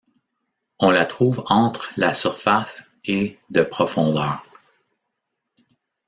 On la trouve entre la surface et de profondeur.